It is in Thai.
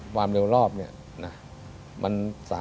ความเร็วรอบนี่นะมัน๓๕๐๐